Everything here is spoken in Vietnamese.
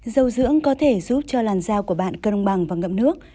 dầu dưỡng có thể giúp cho làn dao của bạn cân ông bằng và ngậm nước